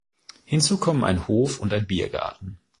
Hinzu kommen ein Hof- und ein Biergarten.